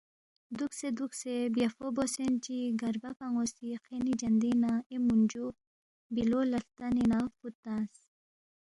دُوکسے دُوکسے بیافو بوسین چی گربہ پان٘و سی خینی جندِنگ نہ اے مُونجُو بِلو لہ ہلتنےنہ فُود تنگس